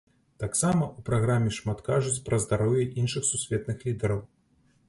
Таксама ў праграме шмат кажуць пра здароўе іншых сусветных лідараў.